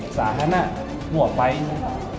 ขอเชิญลุงนี้ดีกว่าไม่ยอมลงรถ